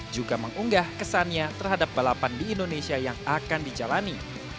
juga mengunggah kesannya terhadap balapan di indonesia yang akan dijalani